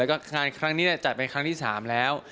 แล้วก็งานครั้งนี้จัดเป็นครั้งที่๓แล้ว